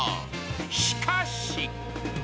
しかし！